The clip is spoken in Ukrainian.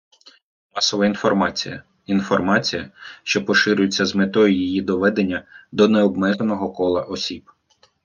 Масова інформація - інформація, що поширюється з метою її доведення до необмеженого кола осіб.